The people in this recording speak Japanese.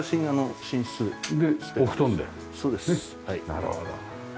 なるほど。